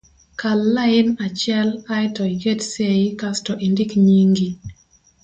kal lain achiel ae to iket sei kasto indik nyingi